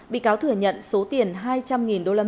bị cáo thừa nhận số tiền hai trăm linh usd